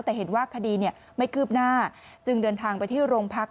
แต่เห็นว่าคดีไม่คืบหน้าจึงเดินทางไปที่โรงพัก